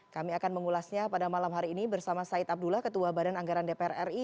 kami akan mengulasnya pada malam hari ini bersama said abdullah ketua badan anggaran dpr ri